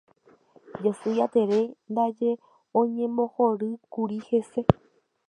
Jasy Jatere ndaje oñembohorýkuri hese.